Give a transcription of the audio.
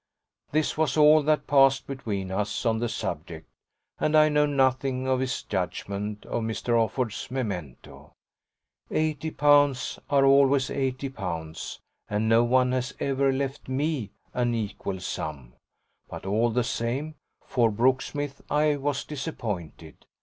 This was all that passed between us on the subject, and I know nothing of his judgement of Mr. Offord's memento. Eighty pounds are always eighty pounds, and no one has ever left ME an equal sum; but, all the same, for Brooksmith, I was disappointed.